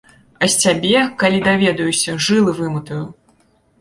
А з цябе, калі даведаюся, жылы выматаю.